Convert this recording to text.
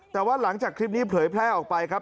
แต่ว่าหลังจากคลิปนี้เผยแพร่ออกไปครับ